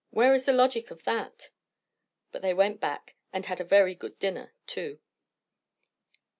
Where is the logic of that?" But they went back, and had a very good dinner too.